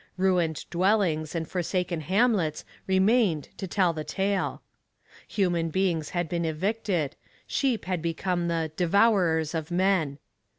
Ruined dwellings and forsaken hamlets remained to tell the tale. Human beings had been evicted: sheep had become the 'devourers of men.'